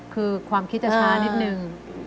คือความคิดจะช้านิดนึง